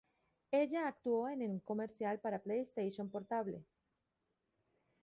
Ella actuó en un comercial para PlayStation Portable.